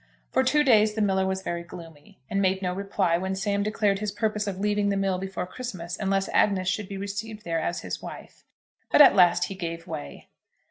For two days the miller was very gloomy, and made no reply when Sam declared his purpose of leaving the mill before Christmas unless Agnes should be received there as his wife; but at last he gave way.